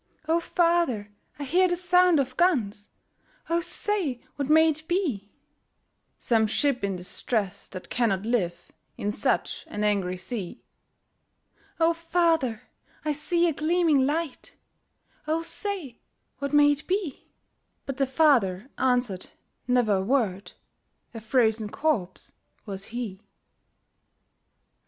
'O father! I hear the sound of guns, O say, what may it be?' 'Some ship in distress that cannot live In such an angry sea!' 'O father! I see a gleaming light, O say, what may it be?' But the father answered never a word, A frozen corpse was he.